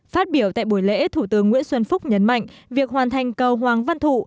phát biểu tại buổi lễ thủ tướng nguyễn xuân phúc nhấn mạnh việc hoàn thành cầu hoàng văn thụ